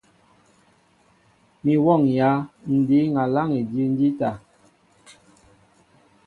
Mi m̀wɔ́ŋyā Ǹ dǐŋ aláŋ edíw ǹjíta.